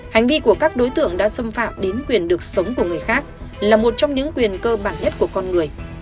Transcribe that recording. hành vi của các đối tượng đã xâm phạm đến quyền được sống của người khác là một trong những quyền cơ bản nhất của con người